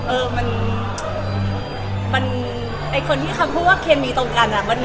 เออมันไอ้คนที่คำพูดว่าเคมีตรงกัน